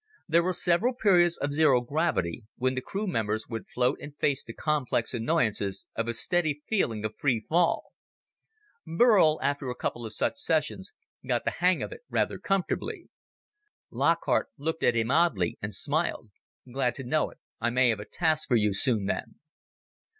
There were several periods of zero gravity, when the crew members would float and face the complex annoyances of a steady feeling of free fall. Burl, after a couple of such sessions, got the hang of it rather comfortably. Lockhart looked at him oddly and smiled. "Glad to know it. I may have a task for you soon, then."